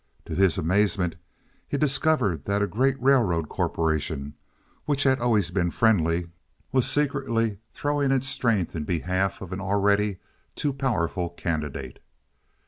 To his amazement he discovered that a great railroad corporation, which had always been friendly, was secretly throwing its strength in behalf of an already too powerful candidate.